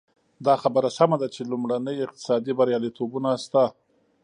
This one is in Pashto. دا خبره سمه ده چې لومړني اقتصادي بریالیتوبونه شته.